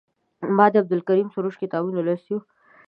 ما د عبدالکریم سروش کتابونه لوستي وو.